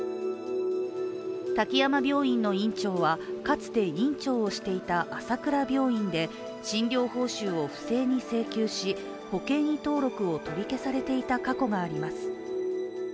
滝山病院の院長は、かつて院長をしていた朝倉病院で診療報酬を不正に請求し、保険医登録を取り消されていた過去があります